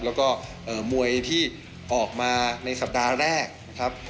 แล้วก็มวยที่ออกมาในสัปดาห์แรกนะครับ